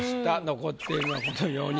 残っているのはこの４人。